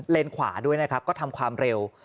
ขวาด้วยนะครับก็ทำความเร็ว